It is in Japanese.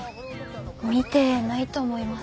見てないと思います。